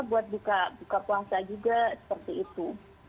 buat buka puasa juga seperti itu